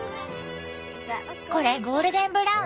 これゴールデンブラウン？